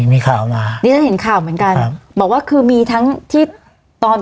มีข่าวมาดิฉันเห็นข่าวเหมือนกันครับบอกว่าคือมีทั้งที่ตอน